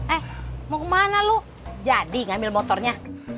eh mau kemana lu jadi gak ambil motornya